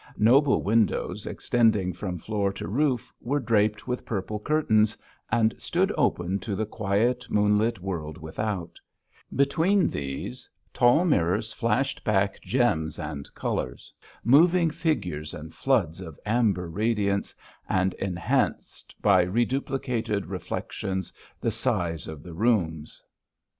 Noble windows, extending from floor to roof, were draped with purple curtains, and stood open to the quiet moonlit world without; between these, tall mirrors flashed back gems and colours, moving figures and floods of amber radiance, and enhanced by reduplicated reflections the size of the rooms.